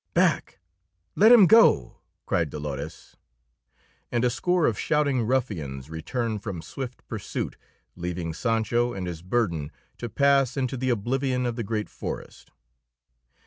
"Back! Let him go!" cried Dolores; and a score of shouting ruffians returned from swift pursuit, leaving Sancho and his burden to pass into the oblivion of the great forest.